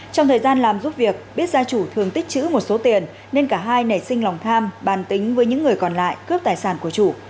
trong thời gian làm giúp việc biết gia chủ thường tích chữ một số tiền nên cả hai nảy sinh lòng tham bàn tính với những người còn lại cướp tài sản của chủ